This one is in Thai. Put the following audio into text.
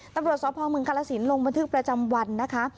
ตำรวจสอบภองเมืองกาลสินลงบันทึกประจำวันนะคะ